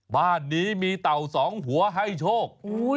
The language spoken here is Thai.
บ้านนี้มีเต่าสองหัวให้โชค